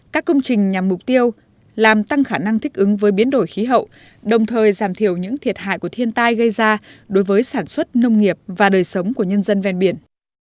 các công trình nhằm mục tiêu làm tăng khả năng thích ứng với biến đổi khí hậu đồng thời giảm thiểu những thiệt hại của thiên tai gây ra đối với sản xuất nông nghiệp và đời sống của nhân dân ven biển